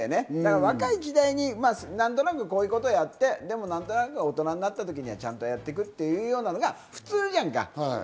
若い時代に何となくこういうことをやって、何となく大人になった時に、ちゃんとやっていくのが普通じゃんか。